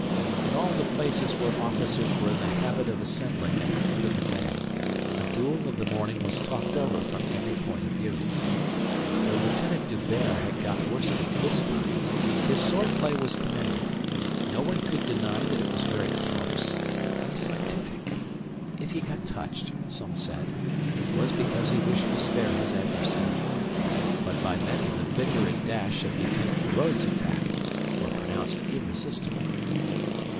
In all the places where officers were in the habit of assembling at the end of the day the duel of the morning was talked over from every point of view. Though Lieutenant D'Hubert had got worsted this time, his sword play was commended. No one could deny that it was very close, very scientific. If he got touched, some said, it was because he wished to spare his adversary. But by many the vigour and dash of Lieutenant Feraud's attack were pronounced irresistible.